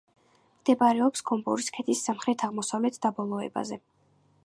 მდებარეობს გომბორის ქედის სამხრეთ-აღმოსავლეთ დაბოლოებაზე.